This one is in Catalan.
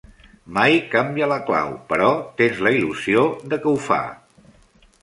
Mai canvia la clau, però tens la il·lusió de que ho fa.